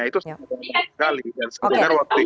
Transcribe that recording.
itu sekali sekali